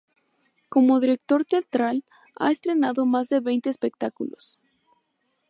Como director teatral, ha estrenado más de veinte espectáculos.